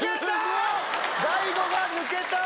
大悟が抜けた。